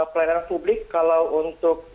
pelayanan publik kalau untuk